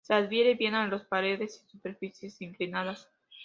Se adhiere bien a las paredes y superficies inclinadas.